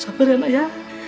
sabar anak ya